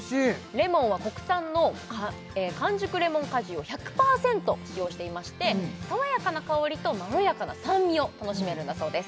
れもんは国産の完熟レモン果汁を１００％使用していまして爽やかな香りとまろやかな酸味を楽しめるんだそうです